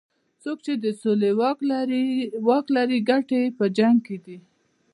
څوک چې د سولې واک لري ګټې یې په جنګ کې دي.